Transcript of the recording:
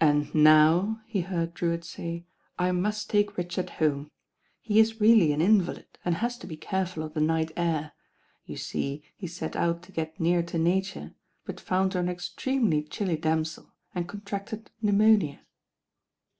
"And now," he heard Drewitt say, "I must take Richard home. He is really an invalid, and has to be careful of the night air. You see he set out to get near to Nature; but found her an extremely chilly damsel, and contracted pneumonia."